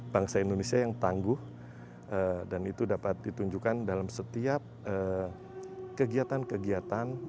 bangsa indonesia yang tangguh dan itu dapat ditunjukkan dalam setiap kegiatan kegiatan